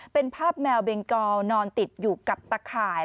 เป็นภาพแมวเบงกอลนอนติดอยู่กับตะข่าย